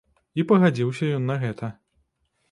І пагадзіўся ён на гэта.